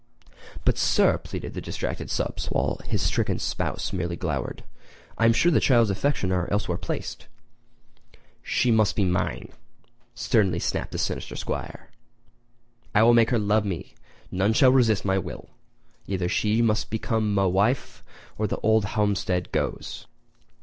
"But, Sir," pleaded the distracted Stubbs while his stricken spouse merely glowered, "I am sure the child's affections are elsewhere placed." "She must be mine!" sternly snapped the sinister 'Squire. "I will make her love me—none shall resist my will! Either she becomes muh wife or the old homestead goes!"